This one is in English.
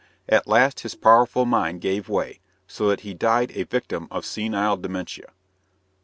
At last his powerful mind gave way, so that he died a victim to senile dementia.